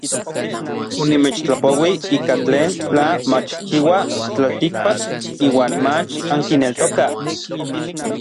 Onimechtlapouij ika tlen tla machchiua tlaltikpak iuan mach ankineltokaj.